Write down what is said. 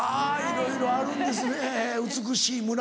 いろいろあるんですね美しい村。